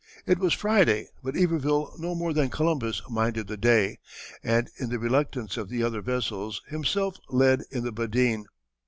It was Friday, but Iberville no more than Columbus minded the day, and in the reluctance of the other vessels, himself led in the Badine.